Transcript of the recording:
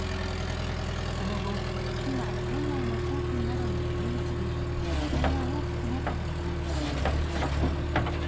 その後、火が店内の商品などに燃え移り火災が大きくなったとみられています。